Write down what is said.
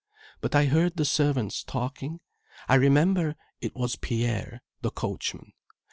But I heard the servants talking. I remember, it was Pierre, the coachman.